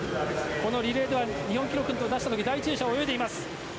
リレーでは日本記録を出した時第１泳者を泳いでいます。